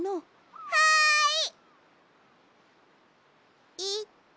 はい！